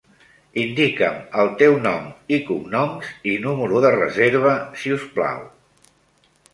Indica'm el teu nom i cognoms i número de reserva, si us plau.